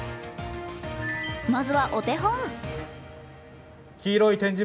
まずは、お手本。